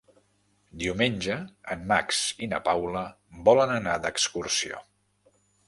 Diumenge en Max i na Paula volen anar d'excursió.